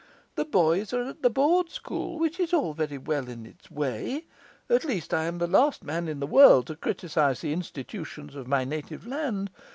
The boys are at the board school, which is all very well in its way; at least, I am the last man in the world to criticize the institutions of my native land.